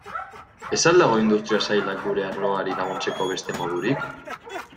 Ez al dago Industria Sailak gure arloari laguntzeko beste modurik?